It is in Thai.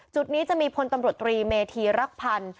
จุดนี้จะมีพลตำรวจตรีเมธีรักพันธ์